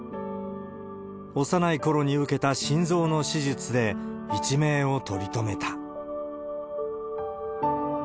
幼いころに受けた心臓の手術で一命を取り留めた。